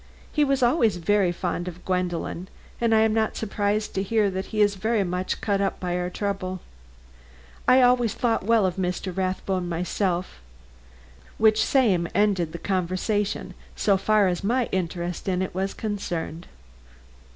He was always very fond of Gwendolen, and I am not surprised to hear that he is very much cut up by our trouble. I always thought well of Mr. Rathbone myself," which same ended the conversation so far as my interest in it was concerned.